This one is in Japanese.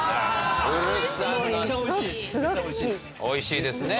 おいしいですね